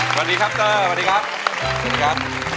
สวัสดีครับเตอร์สวัสดีครับ